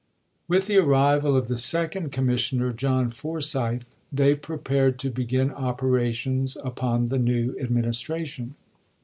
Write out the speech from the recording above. With the arrival of the second commissioner, John Forsyth, they prepared to begin operations upon the new Administration.